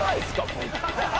こいつ。